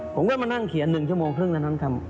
ผมก็มานั่งเขียน๑ชั่วโมงครึ่งแล้วน้องทำ